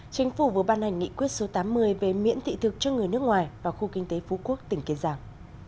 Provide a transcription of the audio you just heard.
chính phủ vừa ban hành nghị quyết số tám mươi về miễn thị thực cho người nước ngoài vào khu kinh tế phú quốc tỉnh kiên giang